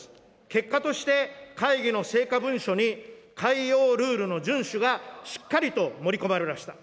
結果として、会議の成果文書に、海洋ルールの順守がしっかりと盛り込まれました。